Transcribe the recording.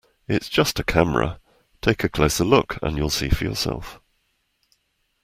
It's just a camera, take a closer look and you'll see for yourself.